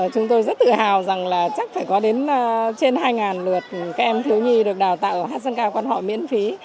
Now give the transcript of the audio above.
chúng tôi rất tự hào rằng là chắc phải có đến trên hai lượt các em thiếu nhi được đào tạo ở hát dân ca quan họ miễn phí